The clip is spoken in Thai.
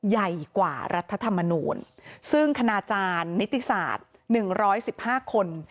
ใหญ่กว่ารัฐธรรมนูลซึ่งคณาจารย์นิติศาสตร์๑๑๕คน